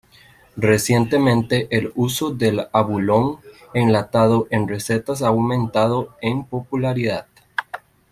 Recientemente, el uso del abulón enlatado en recetas ha aumentado en popularidad.